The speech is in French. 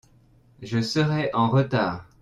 Je serai an retard.